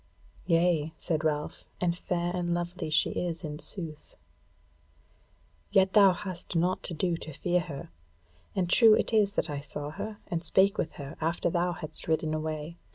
"Yea," said Ralph, "and fair and lovely she is in sooth. Yet hast thou naught to do to fear her. And true it is that I saw her and spake with her after thou hadst ridden away.